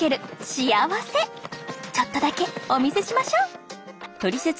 幸せちょっとだけお見せしましょう！